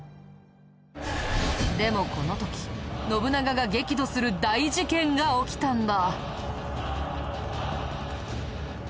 でもこの時信長が激怒する大事件が起きたんだ。